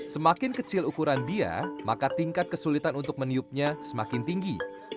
semakin kecil ukuran bia maka tingkat kesulitan untuk meniupnya semakin tinggi